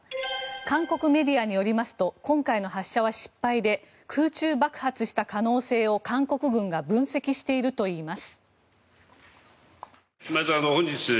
韓国メディアによりますと今回の発射は失敗で空中爆発した可能性を韓国軍が分析しているといいます。